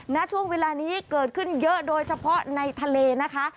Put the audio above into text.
ณช่วงเวลานี้เกิดขึ้นเยอะโดยเฉพาะในทะเลนะคะ